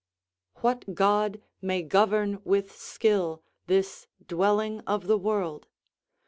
["What god may govern with skill this dwelling of the world?